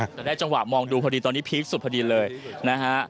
แต่ได้จังหวะมองดูพอดีตอนนี้พีคสุดพอดีเลยนะฮะ